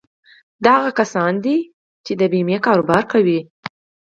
دا هغه کسان دي چې د بيمې کاروبار کوي.